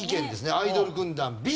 アイドル軍団Ｂ。